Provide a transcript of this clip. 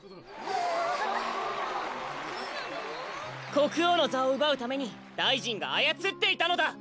こくおうのざをうばうために大臣があやつっていたのだ！